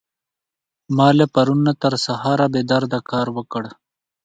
ما له پرون نه تر سهاره بې درده کار وکړ.